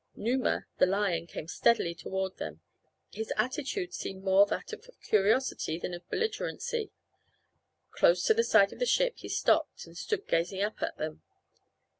Numa, the lion, came steadily toward them; his attitude seemed more that of curiosity than of belligerency. Close to the side of the ship he stopped and stood gazing up at them.